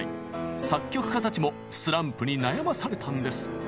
作曲家たちもスランプに悩まされたんです。